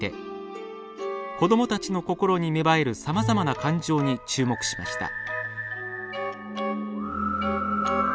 子どもたちの心に芽生えるさまざまな感情に注目しました。